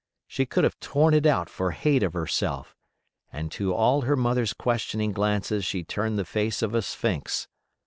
She could have torn it out for hate of herself; and to all her mother's questioning glances she turned the face of a sphinx.